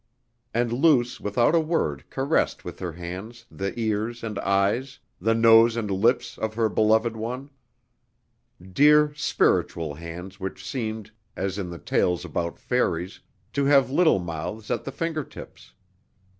And Luce without a word caressed with her hands the ears and eyes, the nose and lips of her beloved one. Dear spiritual hands which seemed, as in the tales about fairies, to have little mouths at the finger tips!